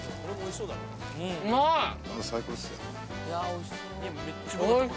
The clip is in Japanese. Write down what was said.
おいしい！